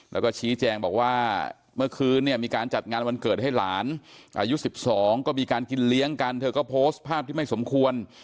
แล้วก็ชี้แจงบอกว่าเมื่อคืนเนี่ยมีการจัดงานวันเกิดให้หลานอายุ๑๒ก็มีการกินเลี้ยงกันเธอก็โพสต์ภาพที่ไม่สมควร